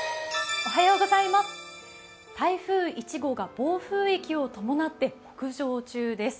台風１号が暴風域を伴って北上中です。